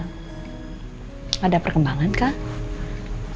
gak ada perkembangan kak